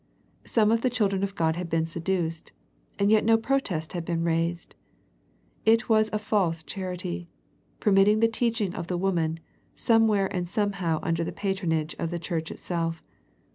Some of the children of God had been seduced, and yet no protest had been raised. It was a false charity, permitting the teaching of the woman, some where and somehow under the patronage of the church itself.